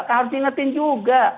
harus diingetin juga